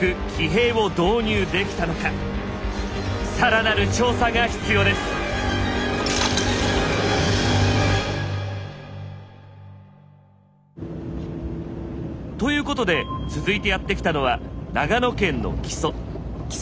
更なる調査が必要です。ということで続いてやって来たのは長野県の木曽。